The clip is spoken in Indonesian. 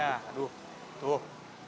nah aduh tuh